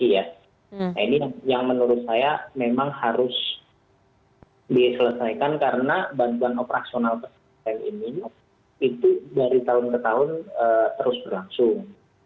nah ini yang menurut saya memang harus diselesaikan karena bantuan operasional pesantren ini itu dari tahun ke tahun terus berlangsung